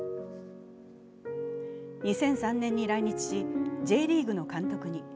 ２００３年に来日し、Ｊリーグの監督に。